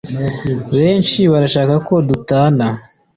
Benshi barashaka ko dutana